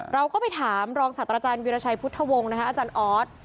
เราก็ไปถามรองศาสตราจารย์วิราชัยพุทธวงศ์อาจารย์ออส